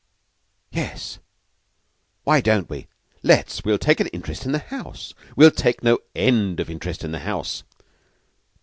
"Yes, why don't we? Let's! We'll take an interest in the house. We'll take no end of interest in the house!